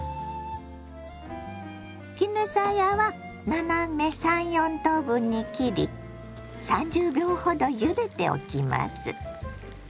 絹さやは斜め３４等分に切り３０秒ほどゆでておきます。